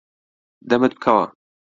دەمت بکەوە.